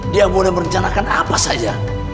dia boleh merencanakan apa saja